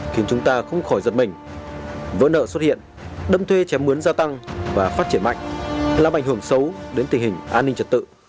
khiến chúng ta không khỏi giật mình vỡ nợ xuất hiện đâm thuê chém mướn gia tăng và phát triển mạnh làm ảnh hưởng xấu đến tình hình an ninh trật tự